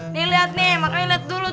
nih lihat nih makanya lihat dulu